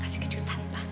kasih kejutan pak